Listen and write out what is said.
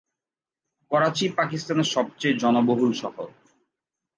করাচী পাকিস্তানের সবচেয়ে জনবহুল শহর।